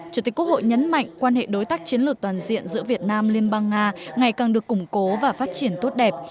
chủ tịch quốc hội nhấn mạnh quan hệ đối tác chiến lược toàn diện giữa việt nam liên bang nga ngày càng được củng cố và phát triển tốt đẹp